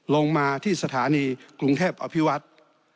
ลงมาที่สถานีกรุงเทพอภิวัฒน์